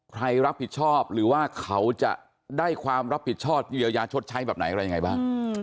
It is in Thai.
ใครรับผิดชอบหรือว่าเขาจะได้ความรับผิดชอบเยียวยาชดใช้แบบไหนอะไรยังไงบ้าง